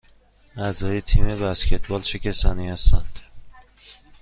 اعضای تیم بسکتبال چه کسانی هستند؟